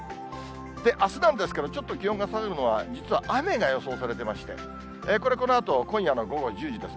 あすなんですけど、ちょっと気温が下がるのは、実は雨が予想されてまして、これ、このあと今夜の午後１０時です。